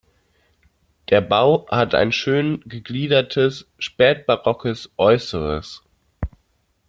Der Bau hat ein schön gegliedertes spätbarockes Äußeres.